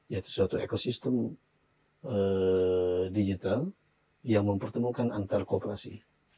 yaitu suatu ekosistem digital yang mempertemukan antar kooperasi